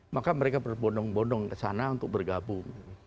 maka mereka berbondong bondong ke sana untuk bergabung